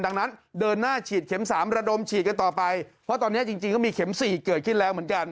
ดังนั้นเดินหน้าฉีดเข็มสามระดมฉีดกันต่อไปเพราะตอนนี้จริงก็มีเข็ม๔เกิดขึ้นแล้วเหมือนกัน